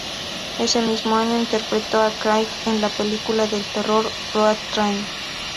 Ese mismo año interpretó a Craig en la película de terror "Road Train".